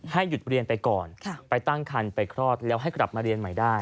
หยุดเรียนไปก่อนไปตั้งคันไปคลอดแล้วให้กลับมาเรียนใหม่ได้